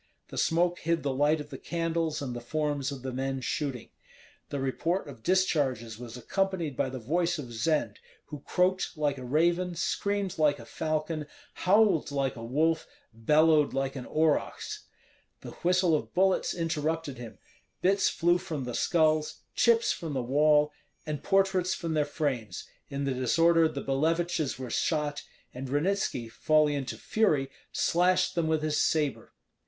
The smoke hid the light of the candles and the forms of the men shooting. The report of discharges was accompanied by the voice of Zend, who croaked like a raven, screamed like a falcon, howled like a wolf, bellowed like an aurochs. The whistle of bullets interrupted him; bits flew from the skulls, chips from the wall, and portraits from their frames; in the disorder the Billeviches were shot, and Ranitski, falling into fury, slashed them with his sabre.